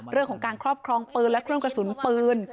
เรื่องของการครอบครองปืนและเครื่องกระสุนปืน